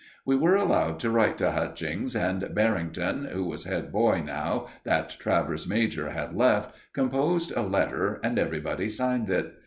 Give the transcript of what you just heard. We were allowed to write to Hutchings, and Barrington, who was head boy now that Travers major had left, composed a letter, and everybody signed it.